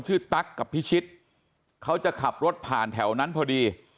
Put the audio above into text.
ตั๊กกับพิชิตเขาจะขับรถผ่านแถวนั้นพอดี